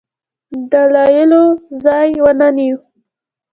دلایلو ځای ونه نیوی.